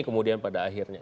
kemudian pada akhirnya